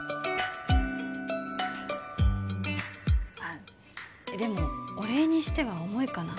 あでもお礼にしては重いかな？